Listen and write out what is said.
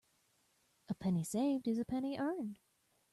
A penny saved is a penny earned.